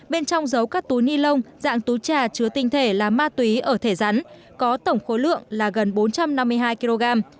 bên trong giấu các túi ni lông dạng túi trà chứa tinh thể là ma túy ở thể rắn có tổng khối lượng là gần bốn trăm năm mươi hai kg